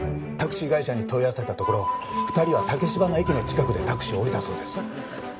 タクシー会社に問い合わせたところ２人は竹芝の駅の近くでタクシーを降りたそうです。